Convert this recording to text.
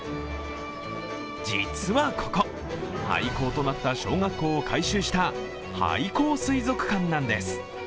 実はここ、廃校となった小学校を改修した廃校水族館なんです。